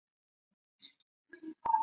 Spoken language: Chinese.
是觉得我称王益州名不正言不顺吗？